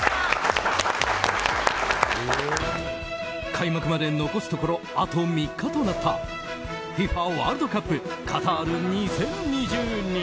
開幕まで残すところあと３日となったＦＩＦＡワールドカップカタール２０２２。